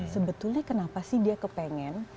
sebetulnya kenapa sih dia kepengen